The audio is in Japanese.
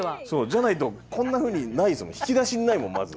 じゃないとこんなふうにないですもん引き出しにないもんまず。